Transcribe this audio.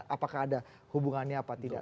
apakah ada hubungannya apa tidak